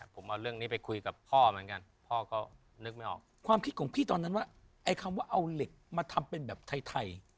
คือนึกไม่ออกว่าเป็นยังไง